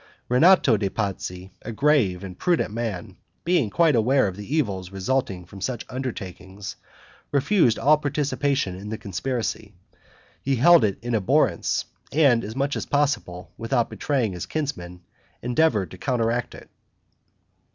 Rinato de' Pazzi, a grave and prudent man, being quite aware of the evils resulting from such undertakings, refused all participation in the conspiracy; he held it in abhorrence, and as much as possible, without betraying his kinsmen, endeavored to counteract it.